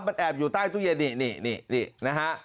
มันแอบอยู่ใต้ตู้เย็นนี่นี่นะฮะ